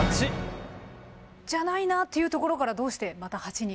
じゃないなというところからどうしてまた「蜂」に？